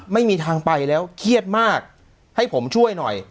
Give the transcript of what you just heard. ไม่มีทางไปแล้วเครียดมากให้ผมช่วยหน่อย